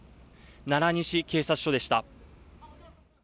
奈良西警察署でした。